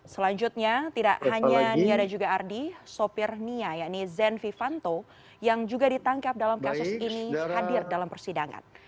selanjutnya tidak hanya nia dan juga ardi sopir nia yakni zenvi fanto yang juga ditangkap dalam kasus ini hadir dalam persidangan